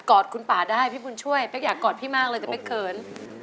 อดคุณป่าได้พี่บุญช่วยเป๊กอยากกอดพี่มากเลยแต่เป๊กเขิน